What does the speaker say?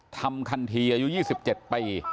ทำคัณฑีอายุ๒๗ไป